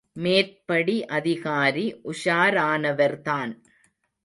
மேற்படி அதிகாரி உஷாரானவர்தான்.